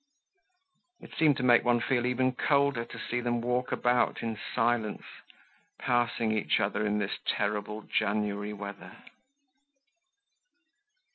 It seemed to make one feel even colder to see them walk about in silence, passing each other in this terrible January weather.